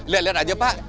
lihat lihat aja pak